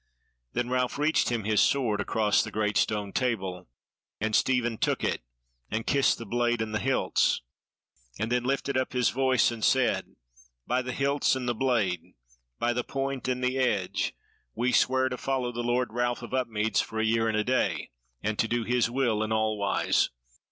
Then Ralph reached him his sword across the great stone table, and Stephen took it, and kissed the blade and the hilts; and then lifted up his voice and said: "By the hilts and the blade, by the point and the edge, we swear to follow the Lord Ralph of Upmeads for a year and a day, and to do his will in all wise.